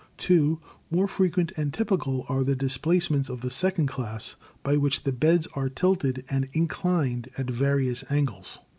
(2) More frequent and typical are the displacements of the second class, by which the beds are tilted and inclined at various angles.